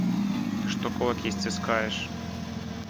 Ты што кулакі сціскаеш?